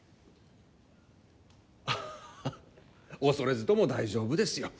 ハハ恐れずとも大丈夫ですよ。